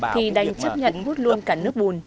thì đang chấp nhận hút luôn cả nước bùn